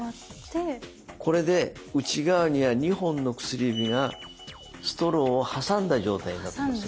これで内側には２本の薬指がストローを挟んだ状態になっています。